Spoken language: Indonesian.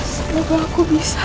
semoga aku bisa